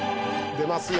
出ますよ